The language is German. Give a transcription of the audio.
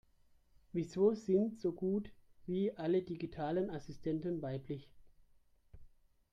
Wieso sind so gut wie alle digitalen Assistenten weiblich?